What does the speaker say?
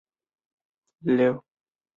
文耀找到阿毛和燕子误解。